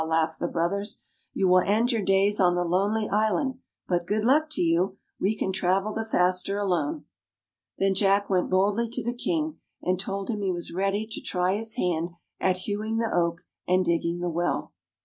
" laughed the brothers. " You will end your days on the lonely island ; but good luck to you ! We can travel the faster alone." [ 114 ] THE LAD WHO WONDERED Then Jack went boldly to the King and told him he was ready to try his hand at hewing the oak, and digging the well.